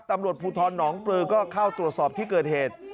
ตำรวจภูทรหนองปลือก็เข้าตรวจสอบที่เกิดเหตุ